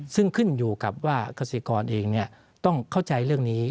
ซึ่งขึ้นอยู่กับว่าเกษตรกรเองต้องเข้าใจเรื่องนี้